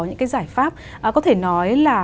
những giải pháp có thể nói là